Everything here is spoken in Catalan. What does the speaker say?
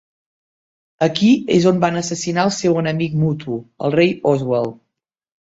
Aquí és on van assassinar el seu enemic mutu, el rei Oswald.